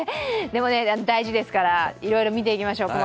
でも大事ですから、いろいろ細かく見ていきましょう。